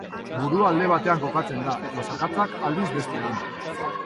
Burua alde batean kokatzen da, eta zakatzak, aldiz, bestean.